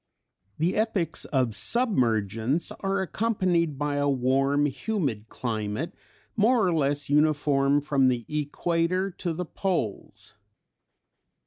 The epochs of submergence are accompanied by a warm, humid climate, more or less uniform from the equator to the poles.